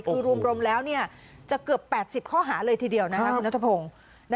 คือรวมแล้วเนี่ยจะเกือบ๘๐ข้อหาเลยทีเดียวนะครับคุณรัฐพงศ์